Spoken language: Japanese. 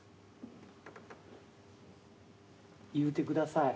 言うてください。